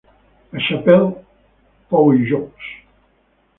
La Chapelle-Pouilloux